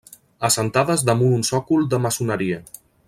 Assentades damunt un sòcol de maçoneria.